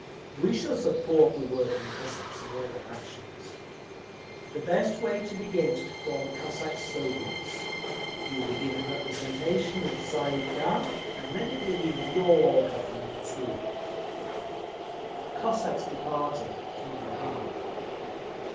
We shall support the working Cossacks in all their actions…. The best way to begin is to form Cossacks Soviets; you will be given representation in the Tsay ee kah, and then it will be your Government, too…." The Cossacks departed, thinking hard.